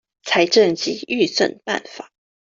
財政及預算辦法